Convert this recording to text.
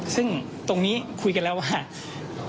ซึ่งตรงนี้คุยกันแล้วว่า